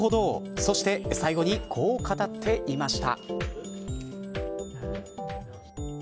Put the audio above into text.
そして最後にこう語っていました。